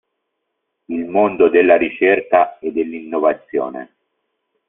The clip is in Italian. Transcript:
Il mondo della ricerca e dell'innovazione.